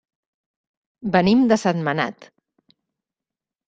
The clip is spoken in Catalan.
Venim de Sentmenat.